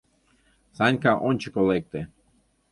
— Санька ончыко лекте.